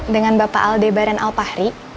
dengan bapak aldebaran alpahri